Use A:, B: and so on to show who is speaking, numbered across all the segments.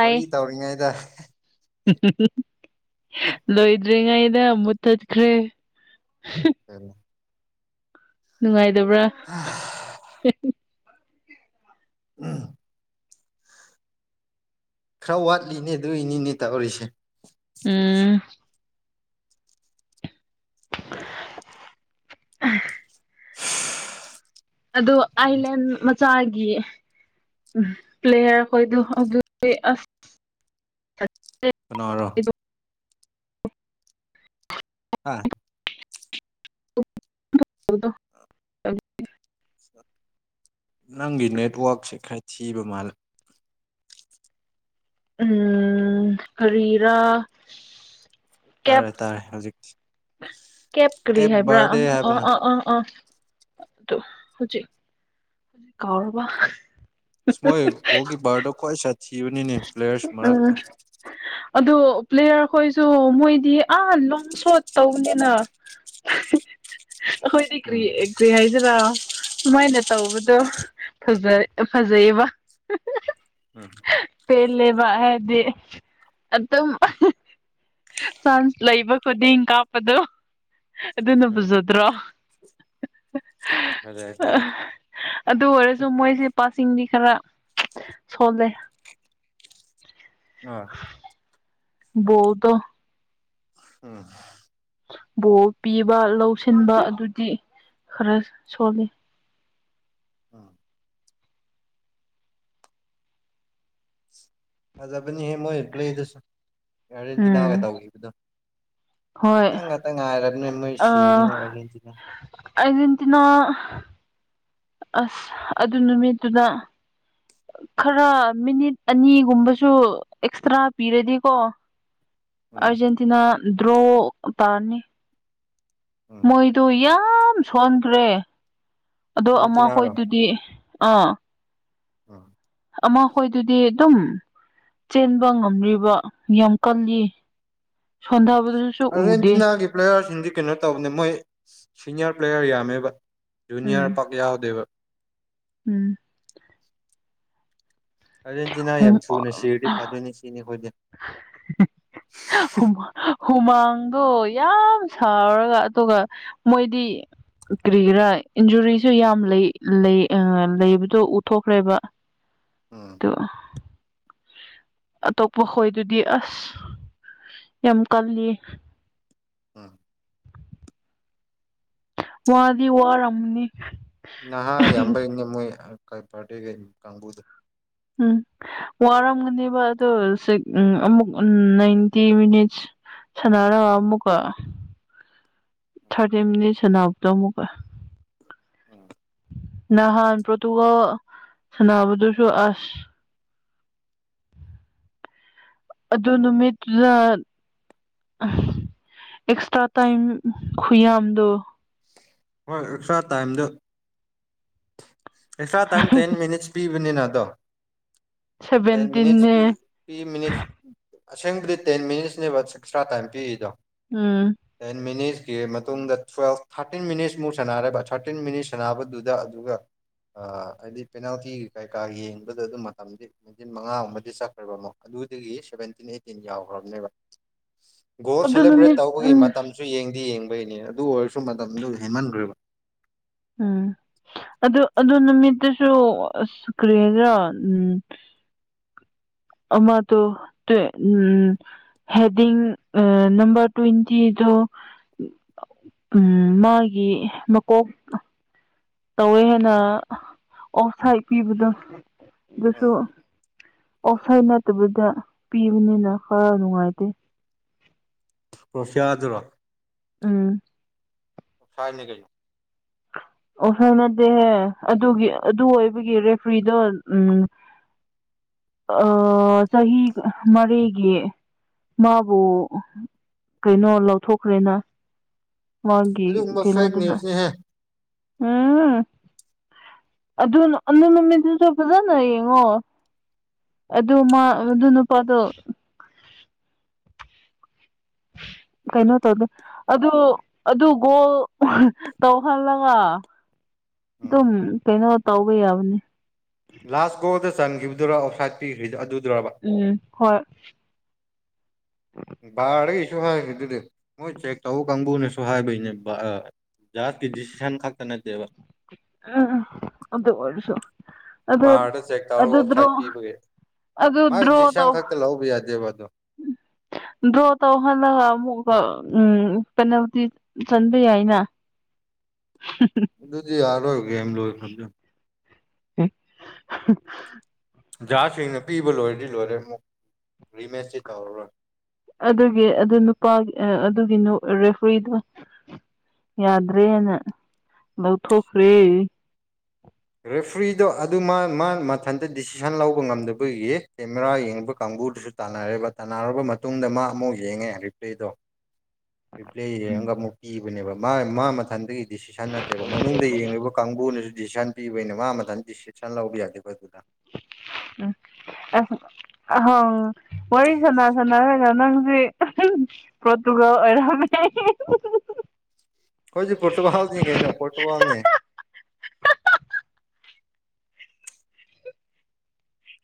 A: ꯋꯥꯔꯤ ꯇꯧꯔꯤꯉꯩꯗ
B: ꯂꯣꯏꯗ꯭ꯔꯤꯉꯩ ꯃꯨꯛꯇꯖ ꯈꯔꯦ
A: ꯎꯝ
B: ꯅꯨꯡꯉꯥꯏꯗꯕ꯭ꯔꯥ
A: ꯎꯝ ꯈꯔ ꯋꯥꯠꯂꯤꯅꯦ ꯑꯗꯨꯏꯅꯤꯅꯦ ꯇꯛꯎꯔꯤꯁꯦ
B: ꯎꯝ [unintelligible] ꯑꯗꯨ ꯑꯂ ꯆꯥꯒꯤ ꯄ꯭ꯂꯦꯌꯔ ꯑꯩꯈꯣꯏꯗꯣ ꯑꯗꯨꯗꯤ ꯑꯁ
A: ꯑꯟꯅꯔꯣ ꯑꯥ
B: [unintelligible]
A: ꯅꯪꯒꯤ ꯅꯦꯠꯋꯥꯛꯛꯁꯦ ꯈꯔ ꯊꯤꯕ ꯃꯥꯜꯂꯦ
B: ꯎꯝꯔꯤꯔꯥ
A: ꯇꯥꯔꯦ ꯇꯥꯔꯦ ꯍꯧꯖꯤꯛꯇꯤ
B: ꯀꯦꯞ ꯀꯔꯤ ꯍꯥꯏꯕ꯭ꯔꯥ ꯑ
A: ꯕꯥꯔꯗꯦ ꯍꯥꯏꯕꯅ
B: ꯑ ꯑ ꯑ ꯑ ꯍꯧꯖꯤꯛ ꯍꯧꯖꯤꯛ ꯀꯕꯥ
A: ꯁꯃꯣꯏ ꯀꯣꯒꯤꯤ ꯄꯕꯥꯗꯣꯛ ꯀꯣꯣꯏ ꯁꯥ
B: ꯎꯝ ꯑꯗꯨ ꯄ꯭ꯂꯦꯌꯔꯈꯣꯏꯁꯨ ꯃꯣꯏꯗꯤ ꯑꯥ ꯂꯣꯡ ꯁꯣ ꯇꯧꯅꯤꯅ ꯑꯩꯈꯣꯏꯗꯤ ꯀꯔꯤ
A: ꯎꯝ
B: ꯀꯔꯤ ꯍꯥꯏꯖꯔꯥ ꯁꯨꯃꯥꯏꯅ ꯇꯧꯕꯗꯣ ꯐꯖꯩꯌꯦꯕ
A: ꯎꯝ
B: ꯄꯦꯂꯦꯕ ꯍꯥꯏꯗꯤ ꯑꯗꯨ ꯑꯗꯨꯝ ꯆꯥꯟꯁ ꯂꯩꯕ ꯈꯨꯗꯤꯡ ꯀꯥꯞꯄꯗꯣ ꯑꯗꯨꯅ
A: ꯎꯝ
B: ꯄꯨꯖꯗ꯭ꯔꯣ
A: ꯐꯖꯩ
B: ꯑ
A: ꯐꯖꯩ
B: ꯑꯗꯨ ꯑꯣꯏꯔꯁꯨ ꯃꯣꯏꯁꯦ ꯄꯥꯁꯤꯡꯗꯤ ꯈꯔ ꯁꯣꯂꯦ
A: ꯑꯥ
B: ꯣꯗ
A: ꯎꯝ
B: ꯕꯣꯔ ꯄꯤꯕ ꯂꯧꯁꯤꯟꯕ ꯑꯗꯨꯗꯤ ꯈꯔ ꯁꯣꯜꯂꯤ
A: ꯎꯝ ꯐꯖꯕꯅꯤꯍꯦ ꯃꯣꯏ ꯂꯩꯗꯨꯁꯨ ꯌꯥꯔꯦ
B: ꯎꯝ
A: ꯗꯤꯅꯥꯒ ꯇꯧꯈꯤꯕꯗꯣ
B: ꯍꯣꯏ
A: ꯈꯤꯇꯪ ꯉꯥꯛꯇꯪ ꯉꯥꯏꯔꯕꯅꯤ ꯃꯣꯏ ꯁꯤꯅꯤꯉꯥꯏ ꯑꯥꯔꯖꯦꯟꯇꯤꯅꯥ
B: ꯑꯔꯖꯦꯟꯇꯤꯅꯥ ꯑꯁ ꯑꯗꯨ ꯅꯨꯃꯤꯠꯇꯨꯗ
A: [unintelligible]
B: ꯈꯔ ꯃꯤꯅꯤꯠ ꯑꯅꯤꯒꯨꯝꯕꯁꯨ ꯑꯦꯛꯁꯇ꯭ꯔꯥ ꯄꯤꯔꯗꯤꯀꯣ
A: ꯎꯝ
B: ꯑꯔꯖꯦꯟꯇꯤꯅꯥ ꯗ꯭ꯔꯣ ꯇꯥꯔꯅꯤ
A: ꯎꯝ
B: ꯃꯣꯏꯗꯌꯥ ꯌꯥꯝ ꯁꯍꯟꯈ꯭ꯔꯦ ꯑꯗꯣ
A: ꯑꯥꯔꯖꯦꯟꯇꯤꯅꯥꯔꯣ
B: ꯑꯃꯈꯣꯏꯗꯨꯗꯤ ꯑꯥ
A: ꯎꯝ
B: ꯑꯃꯈꯣꯏꯗꯨꯗꯤ ꯑꯗꯨꯝ ꯆꯦꯟꯕ ꯉꯝ꯭ꯔꯤꯕ ꯌꯥꯝ ꯀꯜꯂꯤ ꯁꯣꯟꯊꯕꯗꯨꯁꯨ ꯎꯗꯦ
A: ꯑꯔꯖꯦꯟꯇꯤꯅꯥꯒꯤ ꯄ꯭ꯂꯦꯌꯥꯔꯁꯤꯡꯗꯤ ꯀꯩꯅꯣ ꯇꯧꯕꯅꯦ ꯃꯣꯏ ꯁꯤꯅꯤꯌꯔ ꯄ꯭ꯂꯦꯌꯔ ꯌꯥꯝꯃꯦꯕ ꯖꯨꯅꯤꯌꯔ
B: ꯎꯝ
A: ꯄꯥꯛ ꯌꯥꯎꯗꯦꯕ
B: ꯎꯝ
A: ꯑꯥꯔꯖꯦꯟꯇꯤꯅꯥ ꯌꯥꯝ ꯁꯨꯅ ꯁꯤꯔꯗꯤ ꯐꯥꯗꯣꯏꯅꯤ ꯁꯤꯅꯤ ꯑꯩꯈꯣꯏꯗꯤ
B: ꯍ ꯍꯨꯃꯥꯡꯗ ꯑꯣ ꯌꯥꯝ ꯁꯥꯎꯔꯒ ꯑꯗꯨꯒ ꯃꯣꯏꯗꯤ ꯀꯔꯤꯒꯤꯔꯥ ꯏꯟꯖꯨꯔꯤꯁꯨ ꯌꯥꯝ ꯂꯩ ꯂꯩ ꯂꯩꯕꯗꯣ ꯎꯠꯊꯣꯛꯈ꯭ꯔꯦꯕ
A: ꯎꯝ
B: ꯇꯣ ꯃꯈꯣꯏꯗꯨꯗꯤ ꯑꯁ ꯌꯥꯝ ꯀꯜꯂꯤ
A: ꯎꯝ
B: ꯋꯥꯗꯤ ꯋꯥꯔꯝꯅꯤ
A: ꯅꯍꯥ ꯌꯥꯝꯕꯩꯅꯦ ꯃꯣꯏ ꯄꯥꯔꯇꯒ ꯀꯥꯡꯕꯨꯗ
B: ꯎꯝ ꯋꯥꯔꯝꯒꯅꯦꯕ ꯑꯗꯨꯣ ꯎ ꯑꯃꯨꯛ ꯎ ꯅꯥꯏꯟꯇꯤ ꯃꯤꯅꯤꯠꯁ ꯁꯅꯥꯔ ꯋꯥꯃꯨꯀ ꯊꯥꯔꯇꯤ ꯃꯤꯅꯤꯠꯁꯅꯎꯗ ꯑꯃꯨꯀ
A: ꯎꯝ
B: ꯅꯍꯥꯟ ꯄ꯭ꯔꯣꯗꯨꯒ ꯁꯅꯥꯕꯗꯨꯁꯨ ꯑꯁ ꯑꯗꯨ ꯅꯨꯃꯤꯠꯇꯨꯗ ꯑꯦꯛꯁꯇ꯭ꯔꯥ ꯇꯥꯏ ꯈꯨꯨ ꯑꯗ
A: ꯍꯣꯏ ꯑꯦꯛꯁꯇ꯭ꯔꯥ ꯇꯥꯏꯝꯗ ꯄꯩꯁꯥ ꯇꯥꯏꯝ ꯇꯦꯟ ꯃꯤꯅꯤꯠꯁ ꯄꯤꯕꯅꯤꯅꯗꯣ ꯇ ꯃꯤꯅꯤꯁ
B: ꯁꯚꯦꯟꯇꯤꯟꯅꯦ
A: ꯐ ꯃꯤꯅꯤꯁ ꯑꯁꯦꯡꯕꯗꯤ ꯇꯦꯟ ꯃꯤꯅꯤꯠꯁꯅꯦꯕ ꯑꯦꯛꯁꯇ꯭ꯔꯥ ꯇꯥꯏꯝ ꯄꯤꯔꯤꯗꯣ
B: ꯎꯝ
A: ꯇꯦꯟ ꯃꯤꯅꯤꯠꯁ ꯀ ꯃꯇꯨꯡꯗ ꯇꯨꯋꯦꯜꯐ ꯊꯥꯔꯇꯤꯟ ꯃꯤꯅꯤꯠꯁꯃꯨꯛ ꯁꯥꯟꯅꯔꯦꯕ ꯊꯥꯔꯇꯤꯟ ꯃꯤꯅꯤꯠꯁ ꯁꯥꯟꯅꯕꯗꯨꯗ ꯑꯗꯨꯒ ꯍꯥꯏꯗꯤ ꯄꯦꯅꯥꯜꯇꯤ ꯀꯩꯀꯥ ꯌꯦꯡꯕꯗ ꯑꯗꯨꯝ ꯃꯇꯝꯗꯤ ꯊꯤꯟ ꯃꯉꯥꯒꯨꯝꯕꯗꯤ ꯆꯠꯈ꯭ꯔꯕ ꯑꯃ ꯑꯗꯨ ꯁꯚꯦꯟꯇꯤꯟ ꯑꯩꯠꯇꯤꯟ ꯌꯥꯎꯈ꯭ꯔꯕꯅꯦꯕ ꯒꯣꯜ
B: ꯑꯗꯨ
A: ꯁꯦꯂꯦꯕ꯭ꯔꯦꯠ
B: ꯅꯨꯃꯤꯠ
A: ꯇꯧꯕꯒꯤ
B: ꯎꯝ
A: ꯃꯇꯝꯁꯨ ꯌꯦꯡꯗꯤ ꯌꯦꯡꯉꯨ ꯩꯅꯦ ꯑꯗꯨ ꯑꯣꯏꯔꯁꯨ ꯃꯇꯝꯗꯨ ꯍꯦꯟꯃꯟꯈ꯭ꯔꯦꯔꯤꯕ
B: ꯎꯝ ꯑꯗꯨ ꯑꯗꯨ ꯅꯨꯃꯤꯠꯇꯨꯁꯨ ꯑ ꯀꯔꯤꯗ꯭ꯔꯥ ꯎꯝ ꯑꯃ ꯎꯝ ꯍꯦꯗꯤ ꯑ ꯅꯝꯕꯝꯕꯔ ꯇ꯭ꯋꯦꯟꯇꯤ ꯎ ꯃꯥꯒꯤ ꯃꯀꯣꯛ ꯇꯧꯋꯦ ꯍꯥꯏꯦꯟꯅ ꯑꯣꯐꯁꯥꯏ ꯄꯤꯕꯗ ꯑꯗꯨꯁꯨ
A: ꯎꯝ
B: ꯑꯣꯐꯔ ꯅꯠꯇꯕꯤꯗ ꯄꯤꯕꯅꯤꯅ ꯈꯔ ꯅꯨꯡꯉꯥꯏꯇꯦ꯫
A: ꯁ꯭ꯌꯥꯗꯨꯔꯣ
B: ꯎꯝ
A: ꯐꯥꯏꯅꯤ ꯀꯩꯅꯣ
B: ꯑꯣ ꯍꯧꯅꯗꯦꯍꯦ ꯑꯗꯨꯒꯤ ꯑꯗꯨ ꯑꯣꯏꯕꯒꯤ ꯔꯦꯐ꯭ꯔꯤꯗꯣ ꯎꯝ ꯑ-ꯆꯍꯤ ꯃꯔꯤꯒꯤ ꯃꯥꯕꯨ ꯀꯩꯅꯣ ꯂꯧꯊꯣꯛꯈ꯭ꯔꯦꯅ ꯃꯥꯒꯤ
A: ꯑꯗꯨꯒꯨꯝꯕ
B: ꯀꯩꯅꯣ
A: ꯐꯦꯛ
B: ꯑꯗꯨꯅ
A: ꯅ꯭ꯌꯨꯁꯅꯤꯍꯦ
B: ꯎꯝ꯫ ꯑꯗꯨꯅ ꯑꯗꯨ ꯅꯨꯃꯤꯠꯇꯨꯗ ꯐꯖꯅ ꯌꯦꯡꯉꯣ꯫ ꯑꯗꯨ ꯃꯥ ꯑꯗꯨ ꯅꯨꯄꯥꯗꯣ
A: [inaudible]
B: ꯀꯩꯅꯣ ꯇꯧꯗꯦ ꯑꯗꯨ-ꯑꯗꯨ ꯒꯣꯜ ꯇꯧꯍꯜꯂꯒ
A: ꯎꯝ
B: ꯑꯗꯨꯝ ꯀꯩꯅꯣ ꯇꯧꯕ ꯌꯥꯕꯅꯦ꯫
A: ꯂꯥꯁ ꯒꯣꯜꯗ ꯆꯟꯈꯤꯕꯗꯨꯔꯣ ꯑꯥꯎꯠꯁꯥꯏꯠ ꯄꯤꯈ꯭ꯔꯤꯗꯣ ꯑꯗꯨ
B: ꯎꯝ ꯍꯣꯏ
A: ꯕꯥꯔꯔꯦꯁꯨ ꯍꯥꯏꯒ꯭ꯔꯤꯗꯨꯗꯤ ꯃꯣꯏ ꯆꯦꯛ ꯇꯧ ꯀꯪꯕꯨꯨꯅꯁꯨ ꯍꯥꯏꯕꯩꯅꯦꯕ-ꯑ ꯖꯁꯀꯤ ꯗꯤꯁꯤꯁꯟ ꯈꯛꯇ ꯅꯠꯇꯦꯕ
B: ꯑ-ꯑ-ꯑꯗꯨ ꯑꯣꯏꯔꯁꯨ
A: ꯕꯥꯔꯗ ꯆꯦꯛ ꯇꯧꯔꯒ
B: ꯑꯗꯨ-ꯑꯗꯨ ꯗꯔꯣ
A: ꯑꯣꯞꯁꯥꯏꯠ ꯄꯤꯕꯒꯤ
B: ꯑꯗꯨ
A: ꯃꯥꯒꯤ
B: ꯗ꯭ꯔꯣ
A: ꯗꯤꯁꯤꯖꯟ
B: ꯇꯧ
A: ꯈꯛꯇ ꯂꯧꯕ ꯌꯥꯗꯦꯕ ꯑꯗꯨ
B: ꯗ꯭ꯔꯣ ꯇꯧꯍꯜꯂꯒ ꯑꯃꯨꯛꯀ ꯎꯝ ꯄꯦꯅꯥꯜꯇꯤ ꯆꯟꯕ ꯌꯥꯏꯅ꯫
A: ꯑꯗꯨꯗꯤ ꯌꯥꯔꯔꯣꯏ ꯒꯦꯝ ꯂꯣꯏꯈ꯭ꯔꯕꯗꯨ꯫
B: ꯑꯦ
A: ꯖꯥꯁꯁꯤꯡꯅ ꯄꯤꯕ ꯂꯣꯏꯔꯗꯤ ꯂꯣꯏꯔꯦ ꯑꯃꯨꯛ ꯔꯤꯃꯦꯁꯇꯤ ꯇꯧꯔꯔꯣꯏ꯫
B: ꯑꯗꯨꯒꯤ ꯑꯗꯨ ꯅꯨꯄꯥꯒꯤ ꯑ-ꯑꯗꯨꯒꯤ ꯅꯨ-ꯔꯦꯐ꯭ꯔꯤꯗꯣ ꯌꯥꯗ꯭ꯔꯦꯅ ꯂꯧꯊꯣꯛꯈ꯭ꯔꯦ꯫
A: ꯔꯦꯐ꯭ꯔꯤꯗꯣ ꯑꯗꯨ ꯃꯥ-ꯃꯥꯟ ꯃꯊꯟꯇ ꯗꯤꯁꯤꯖꯟ ꯂꯧꯕ ꯉꯝꯗꯕꯒꯤ ꯀꯦꯃꯦꯔꯥ ꯌꯦꯡꯕ ꯀꯥꯡꯕꯨ ꯕꯨꯗꯨꯁꯨ ꯇꯥꯟꯅꯔꯦꯕ ꯇꯥꯟꯅꯔꯕ ꯃꯇꯨꯡꯗ ꯃꯥ ꯑꯃꯨꯛ ꯌꯦꯡꯉꯦ ꯔꯤꯄ꯭ꯂꯦꯗꯣ꯫ ꯔꯤꯄ꯭ꯂꯦ ꯌꯦꯡꯉꯒ ꯑꯃꯨꯛ ꯄꯤꯕꯅꯦꯕ ꯃꯥ-ꯃꯥ ꯃꯊꯟꯗꯒꯤ ꯗꯤꯁꯤꯖꯟ ꯅꯠꯇꯦꯕ ꯃꯅꯨꯡꯗ ꯌꯦꯡꯂꯤꯕ ꯀꯥꯡꯒꯨꯅꯁꯨ ꯗꯤꯁꯤꯖꯟ ꯄꯤꯕꯩꯅꯦ ꯃꯥ ꯃꯊꯟ ꯗꯤꯁꯤꯖꯟ ꯂꯧꯕ ꯌꯥꯗꯦꯕ ꯑꯗꯨꯗ꯫ [inaudible]
B: ꯎꯝ ꯑ-ꯑꯍꯥꯎ ꯋꯥꯔꯤ ꯁꯅ-ꯁꯅꯔꯒ ꯅꯪꯖꯦ ꯎꯪꯍꯨꯡ ꯄ꯭ꯔꯣꯠꯇꯨꯒꯜ ꯑꯣꯏꯔꯝꯃꯦ꯫
A: ꯈꯣꯏꯁꯨ ꯄ꯭ꯔꯣꯇꯨ ꯍꯥꯎꯁꯅꯦ ꯀꯩꯅꯣ ꯄ꯭ꯔꯣꯇꯨꯒꯜꯅꯦ꯫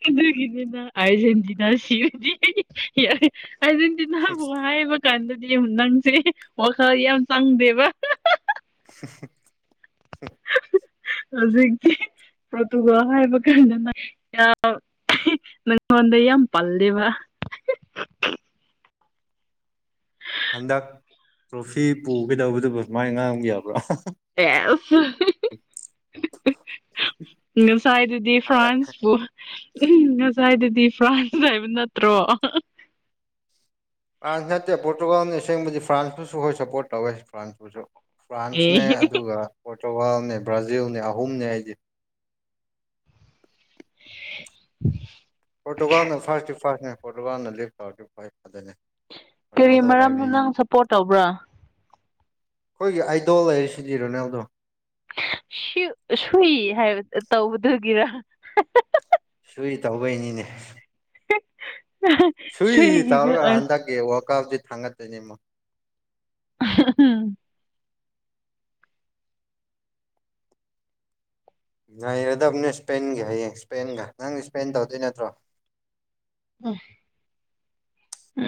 B: ꯑꯗꯨꯒꯤꯅꯤꯗꯥ ꯑꯥꯔꯖꯦꯟꯇꯤꯅꯥ ꯁꯤꯔꯗꯤ ꯑꯩ ꯌꯥꯏ꯫ ꯑꯥꯔꯖꯦꯟꯇꯤꯅꯥꯕꯨ ꯍꯥꯏꯕ ꯀꯥꯟꯗꯗꯤ ꯑꯝ ꯅꯪꯁꯦ ꯋꯥꯈꯜ ꯌꯥꯝ ꯆꯪꯗꯦꯕ꯫
A: ꯍꯨꯡ
B: ꯍꯧꯖꯤꯛꯇꯤ ꯄ꯭ꯔꯣꯇꯨꯒꯜ ꯍꯥꯏꯕ ꯀꯥꯟꯗꯅ ꯌꯥꯝ ꯅꯪꯉꯣꯟꯗ ꯌꯥꯝ ꯄꯜꯂꯦꯕ꯫
A: ꯍꯟꯗꯛ ꯇ꯭ꯔꯣꯐꯤ ꯄꯨꯒꯗꯧꯕꯗꯨꯕꯨ ꯑꯗꯨꯃꯥꯏ ꯉꯥꯡꯕ ꯌꯥꯕ꯭ꯔꯣ꯫
B: ꯑꯦꯁ ꯉꯁꯥꯏꯗꯨꯗꯤ
A: ꯍꯪꯒꯠ
B: ꯐ꯭ꯔꯥꯟꯁꯄꯨ ꯎꯝ ꯉꯁꯥꯏꯗꯨꯗꯤ ꯐ꯭ꯔꯥꯟꯁ ꯍꯥꯏꯕ ꯅꯠꯇ꯭ꯔꯣ
A: ꯑꯥ ꯅꯠꯇꯦ ꯄꯣꯔꯇꯨꯒꯥꯜꯅꯤ ꯑꯁꯦꯡꯕꯗꯤ ꯐ꯭ꯔꯥꯟꯁꯄꯨꯁꯨ ꯑꯈꯣꯏ ꯁꯞꯄꯣꯔꯠ ꯇꯧꯋꯦ ꯐ꯭ꯔꯥꯟꯁꯄꯨꯁꯨ꯫
B: ꯑꯦ
A: ꯐ꯭ꯔꯥꯟꯁꯅꯦ ꯑꯗꯨꯒ ꯄꯣꯔ ꯇ꯭ꯔꯨꯒꯥꯜꯅꯦ, ꯕ꯭ꯔꯥꯖꯤꯜꯅꯦ ꯑꯍꯨꯝꯅꯦ ꯑꯩꯗꯤ꯫
B: [inaudible]
A: ꯄꯣꯔꯇꯨꯒꯥꯜꯅ ꯐꯥꯔꯁꯇꯤ ꯐꯥꯔꯁꯅꯦ ꯄꯣꯔꯇꯨꯒꯥꯜꯅ ꯂꯤꯞ ꯇꯧꯔꯗꯤ ꯐꯩ꯫
B: ꯀꯔꯤ ꯃꯔꯝꯅꯣ ꯅꯪ ꯁꯞꯄꯣꯔꯠ ꯇꯧꯕ꯭ꯔꯥ꯫
A: ꯑꯩꯈꯣꯏꯒꯤ ꯑꯥꯏꯗꯣꯜ ꯂꯩꯔꯤꯁꯤꯗꯤ ꯔꯣꯅꯦꯜꯗꯣ
B: ꯁꯨꯏ ꯍꯥꯏꯕ ꯇꯧꯕꯗꯨꯒꯤꯔ
A: ꯑꯗꯨꯏ ꯇꯧꯈꯩꯅꯤꯅꯦ ꯁꯨꯏ
B: ꯁꯨꯏꯒꯤꯗ
A: ꯇꯧꯔꯒ ꯍꯟꯗꯛꯀꯤ ꯋꯥꯔꯛ ꯑꯥꯎꯁꯤ ꯊꯥꯡꯒꯠꯇꯣꯏꯅꯤꯃꯣ
B: ꯝ
A: ꯉꯔꯗꯕꯅꯦ ꯏꯁꯄꯦꯟꯒꯤ ꯍꯌꯦꯡ ꯏꯁꯄꯦꯟꯒ ꯅꯪ ꯏꯁꯄꯦꯟ ꯇꯧꯗꯣꯏ ꯅꯠꯇ꯭ꯔꯣ
B: ꯑ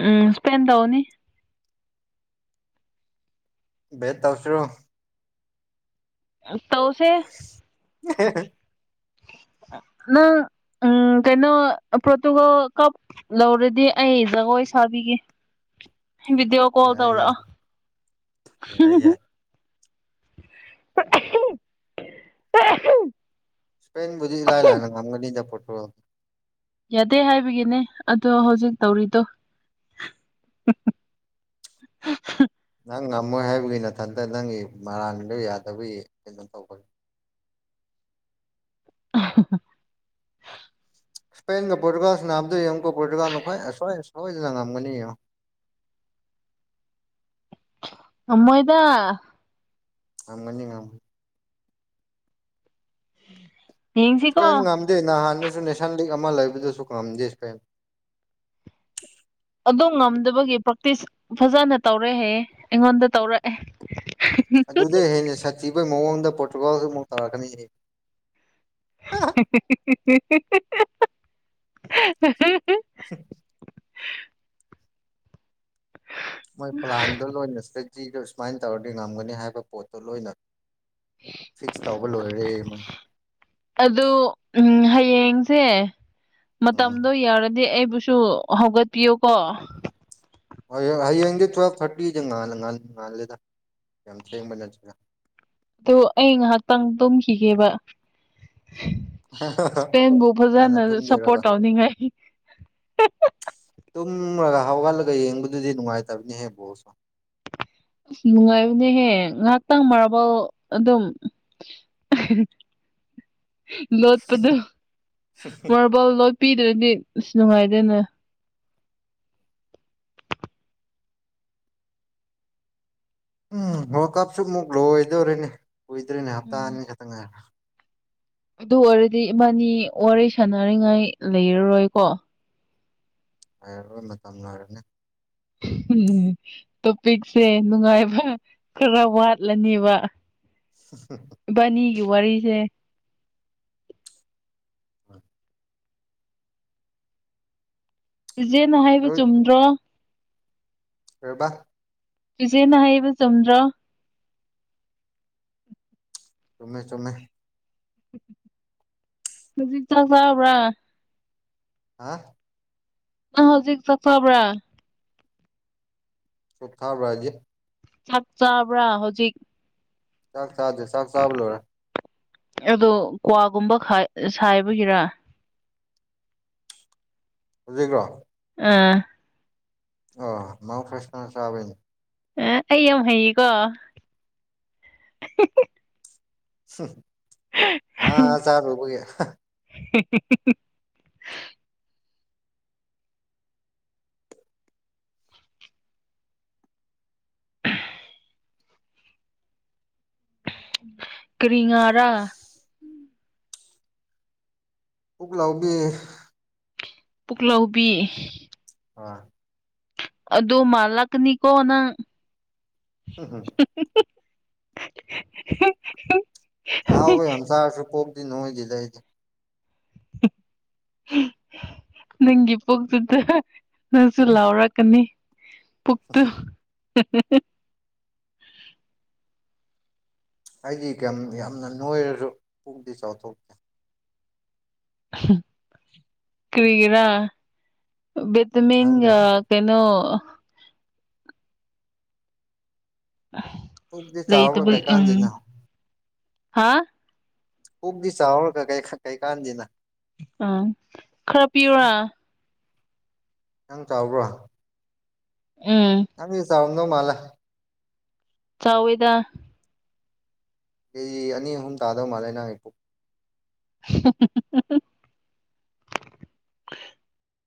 B: ꯎꯝ ꯁꯄꯦꯟꯦꯟ ꯇꯎꯅꯤ
A: ꯦꯠ ꯇꯧꯁꯨ꯭ꯔꯣ
B: ꯇꯁꯦ
A: [inaudible]
B: ꯅꯪ ꯎꯝ ꯀꯩꯅꯣ ꯄ꯭ꯔꯣꯇꯨꯒꯣꯜ ꯀꯞ ꯂꯧꯔꯗꯤ ꯑꯩ ꯖꯒꯣꯏ ꯄꯩꯁꯥꯕꯤꯒꯦ
A: [inaudible]
B: ꯗꯤꯑꯣ ꯀꯣꯜ
A: ꯌꯥꯏ
B: ꯇꯧꯔ
A: ꯌꯥꯏ
B: [inaudible]
A: ꯌꯥꯏ ꯌꯥꯏ ꯄꯦꯟꯕꯨꯗꯤ ꯏꯂꯥꯏ ꯂꯥꯏꯅ ꯉꯝꯒꯅꯤꯗ ꯄꯣꯠꯇꯣ
B: ꯌꯥꯗꯦ ꯍꯥꯏꯕꯒꯤꯅꯦ ꯑꯗꯣ ꯍꯧꯖꯤꯛ ꯇꯧꯔꯤꯗꯣ
A: [inaudible] ꯅꯪ ꯉꯝꯃꯣꯏ ꯍꯥꯏꯕꯒꯤ ꯃꯊꯟꯇ ꯅꯪꯒꯤ ꯃꯔꯥꯡꯗ ꯌꯥꯗꯕꯒꯤ ꯀꯩꯅꯣꯝ ꯇꯧꯕꯅꯤ [inaudible]
B: [inaudible]
A: ꯏꯁꯄꯦꯟꯒ ꯄꯣꯔꯇꯨꯒꯜꯁ ꯅꯥꯕꯗ ꯌꯦ ꯑꯃꯨꯛꯀ ꯄꯣꯔꯇꯨꯒꯥꯜꯅꯈꯣꯏ ꯑꯁꯣꯏ ꯑꯁꯣꯏꯗꯅ ꯉꯝꯒꯅꯤ ꯌꯦꯡꯉꯣ [inaudible]
B: ꯑꯃꯗ
A: ꯑ ꯃꯅꯤꯉ
B: ꯎꯝ
A: ꯁꯄꯦꯟ ꯉꯝꯗꯅꯍꯥꯟ ꯅꯦꯁꯅꯦꯜ ꯂꯤꯛ ꯑꯃ ꯂꯩꯕꯗꯨꯁꯨ ꯉꯥꯝꯗꯦ ꯐꯩ
B: ꯑꯗꯨ ꯉꯝꯗꯕꯒꯤ ꯄ꯭ꯔꯥꯛꯛꯇꯤꯁ ꯐꯖꯅ ꯇꯧꯔꯦꯍꯌꯦ ꯑꯩꯉꯣꯟꯗ ꯇꯧꯔꯛꯑꯦ
A: ꯑꯗꯨꯗ ꯍꯦꯟꯅ ꯁꯥꯊꯤꯕꯩ ꯃꯑꯣꯡꯗ ꯄꯣꯔꯇꯨꯒꯥꯜ ꯑꯃꯨꯛ ꯇꯧꯔꯛꯀꯅꯤ
B: [unintelligible]
A: ꯁ ꯃꯣꯏ ꯄ꯭ꯂꯥꯟꯗꯣ ꯂꯣꯏꯅ ꯏꯁꯇꯗꯤꯗꯣ ꯁꯨꯃꯥꯏꯅ ꯇꯧꯔꯗꯤ ꯉꯝꯒꯅꯤ ꯍꯥꯏꯕ ꯄꯣꯠꯇꯣ ꯂꯣꯏꯅ ꯐꯤꯛꯁ ꯇꯧꯕ ꯂꯣꯏꯔꯦ ꯃꯣꯏ
B: ꯌꯦꯌꯦꯡꯁꯦ
A: ꯎꯝ
B: ꯃꯇꯝꯗꯣ ꯌꯥꯔꯗꯤ ꯑꯩꯕꯨ ꯁꯨ ꯍꯧꯒꯠꯄꯤꯌꯨ ꯀꯣ
A: ꯍꯥꯏꯦ ꯊ ꯐꯇꯤꯖ ꯉ ꯂ ꯂꯩꯦꯗ
B: ꯑꯣ ꯑꯩ ꯉꯥꯏꯍꯥꯛꯇꯪ ꯇꯨꯝꯝꯈꯤꯒꯦꯕ
A: ꯍ
B: ꯏꯁꯄꯦꯟꯕꯨ ꯐꯖꯅ ꯁꯞꯄꯣꯔꯠ ꯇꯧꯅꯤꯡꯉꯥꯏ
A: ꯇꯨꯝꯂꯒ ꯍꯧꯒꯠꯂꯒ ꯌꯦꯡꯕꯗꯨꯗꯤ ꯅꯨꯡꯉꯥꯏꯇꯕꯅꯤꯍꯦ ꯕꯣꯁ
B: ꯑꯁ ꯅꯨꯡꯉꯥꯏꯕꯅꯦꯍꯦ ꯉꯥꯏꯍꯥꯛꯇꯪꯃꯔꯕ ꯑꯗꯨꯝ [inaudible] ꯂꯣꯠꯄꯗꯨꯣ ꯃꯥꯕꯥꯜ ꯂꯣꯠꯄꯤꯗ꯭ꯔꯗꯤ ꯑꯁ ꯅꯨꯡꯉꯥꯏꯗꯦꯅꯦ
A: ꯎꯝ ꯍ ꯀꯞꯁꯨ ꯑꯃꯨꯛ ꯂꯣꯏꯗꯣꯔꯤꯅꯦ ꯀꯨꯏꯗꯣꯏꯔꯤꯅꯦ ꯍꯞꯇꯥ
B: ꯎꯝ
A: ꯑꯅꯤ ꯈꯛꯇꯪ ꯉꯥꯏꯔ
B: ꯑꯗꯨ ꯑꯣꯏꯔꯗꯤ ꯏꯃꯥꯅꯤ ꯋꯥꯔꯤ ꯁꯥꯟꯅꯔꯤꯉꯥꯏ ꯂꯩꯔꯔꯣꯏꯀꯣ
A: ꯍꯥꯏꯔꯔꯣꯏ ꯃꯇꯝ ꯂꯣꯏꯔꯅꯦ
B: ꯎꯝ ꯇꯣꯄꯤꯛꯁꯦ ꯅꯨꯡꯉꯥꯏꯕ ꯈꯔ ꯋꯥꯠꯂꯅꯦꯕ
A: [inaudible]
B: ꯋꯥꯔꯤꯔꯤꯁꯦ
A: ꯍꯣꯏ
B: ꯆꯤꯆꯦꯅ ꯍꯥꯏꯕ ꯆꯨꯝꯗ꯭ꯔꯣ
A: ꯔꯕꯥ
B: ꯆꯨꯆꯦꯅ ꯍꯥꯏꯕ ꯆꯨꯝꯗ꯭ꯔꯣ
A: ꯆꯨꯝꯃꯦ ꯆꯨꯝꯃꯦ
B: ꯍꯧꯖꯤ ꯆ ꯆꯕ꯭ꯔꯥ
A: ꯍꯥ
B: ꯅꯪ ꯍꯧꯖꯤꯛ ꯆꯠꯈꯕ꯭ꯔꯥ
A: ꯁ ꯊꯥꯕꯒꯦ
B: ꯆꯥꯛ ꯆꯥꯕ꯭ꯔꯥ ꯍꯧꯖꯤꯛ
A: ꯆꯪ ꯁꯥꯗꯦ ꯆꯪ ꯆꯕ ꯂꯣꯔ
B: ꯑꯣ ꯀ꯭ꯋꯥꯒꯨꯝꯕ ꯁꯥꯏꯕꯒꯤꯔ
A: ꯍꯧꯖꯤꯛꯈ꯭ꯔꯣ
B: ꯑꯥ
A: ꯑ ꯃꯥꯎ ꯐ꯭ꯔꯁꯅ ꯆꯕꯅꯤ
B: ꯑ ꯑꯩ ꯌꯥꯝ ꯍꯩꯌꯦꯀꯣ
A: ꯑ ꯆꯔꯨꯕꯨꯒꯦ
B: [unintelligible] ꯀ꯭ꯔꯤꯉꯔꯥ
A: ꯎꯛꯂꯥꯎꯕꯤ
B: ꯄꯨꯛꯂꯥꯎꯕꯤ
A: ꯑꯥ
B: ꯑꯗꯨ ꯃꯥꯂꯛꯅꯤ ꯀꯣꯅ [unintelligible]
A: ꯍꯥꯎ ꯍꯪꯁꯥꯔꯁꯨ ꯄꯣꯣꯛꯗꯤ ꯅꯣꯏꯗ [inaudible]
B: ꯅꯪꯒꯤ ꯄꯨꯣꯛꯛꯇꯨꯗ ꯅꯪꯁꯨ ꯂꯥꯎꯔꯛꯀꯅꯤ ꯄꯨꯈꯊ
A: ꯑꯩꯗꯤ ꯌꯥꯝꯅ ꯅꯣꯏꯔꯁꯨ ꯄꯨꯨꯡꯗꯤ ꯆꯥꯎꯊꯣꯛꯇꯦ
B: ꯀꯔꯤꯒꯗꯥ ꯕꯦꯇꯃꯤꯟ
A: ꯈꯪꯗꯦ
B: ꯀꯩꯅꯣ
A: ꯄꯨꯛꯇꯤ
B: ꯂꯩꯏ ꯇ
A: ꯆꯥꯎꯔꯒ
B: ꯎꯝ
A: ꯀꯩꯀꯥꯟꯗꯦꯅ
B: ꯍꯥꯥ
A: ꯈꯨꯨꯞꯗꯤꯁ ꯍꯔꯀ ꯀꯩ ꯀꯩ ꯀꯥꯟꯗꯤꯅ
B: ꯑꯥ ꯈꯔ ꯄꯤꯌꯨꯔ
A: ꯌꯥꯝꯪ ꯆꯥꯎꯕ꯭ꯔꯣ
B: ꯎꯝ
A: ꯇꯥꯎꯗꯣ ꯃꯥꯂ
B: ꯆꯥꯎꯋꯣꯏꯗ
A: ꯀꯦꯖꯤ ꯑꯅꯤ ꯑꯍꯨꯝ ꯇꯥꯗꯧ ꯃꯥꯜꯂꯦ ꯅꯪ ꯍꯄꯣꯛ
B: [inaudible]